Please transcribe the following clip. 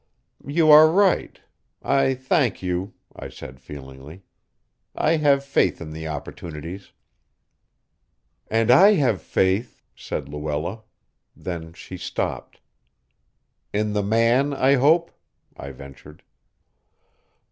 "You are right. I thank you," I said feelingly. "I have faith in the opportunities." "And I have faith " said Luella. Then she stopped. "In the man, I hope," I ventured.